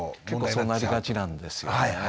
結構そうなりがちなんですよね。